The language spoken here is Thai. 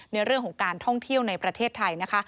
ในเรื่องของการท่องเที่ยวในประเทศไทยนะคะ